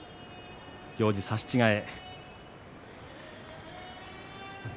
行司差し違え。